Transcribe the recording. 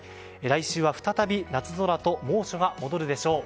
来週は再び夏空と猛暑が戻るでしょう。